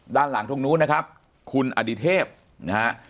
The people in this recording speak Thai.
ด้านหลังตรงนู้นนะครับคุณอดิเทพนะฮะ